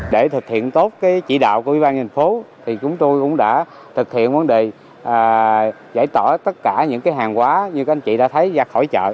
để thực hiện tốt chỉ đạo của ubnd chúng tôi cũng đã thực hiện vấn đề giải tỏa tất cả những hàng hóa như các anh chị đã thấy ra khỏi chợ